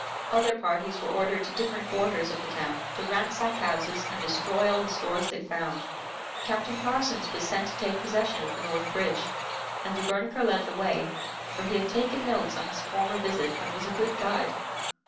Other parties were ordered to different quarters of the town to ransack houses and destroy all the stores they found. Captain Parsons was sent to take possession of the North Bridge, and De Bernicre led the way, for he had taken notes on his former visit, and was a good guide.